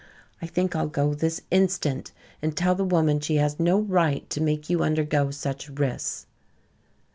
I think I'll go this instant and tell the woman she has no right to make you undergo such risks."